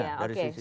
iya dari sisi itu